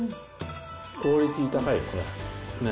クオリティ高い、これ、ね。